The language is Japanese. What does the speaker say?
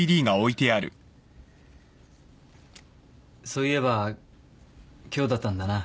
そういえば今日だったんだな。